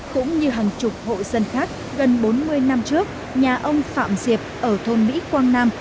cũng như hàng chục hộ dân khác gần bốn mươi năm trước nhà ông phạm diệp ở thôn mỹ quang nam